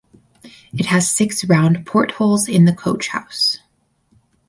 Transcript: It has six round portholes in the coach house.